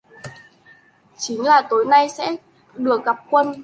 Chính là Tối nay có sẽ được gặp Quân